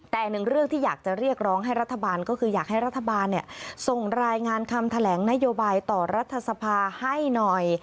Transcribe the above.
แต่อีกหนึ่งเรื่องที่อยากจะเรียกร้องให้รัฐบาลก็คืออยากให้รัฐบาลส่งรายงานคำแถลงนโยบายต่อรัฐสภาให้หน่อย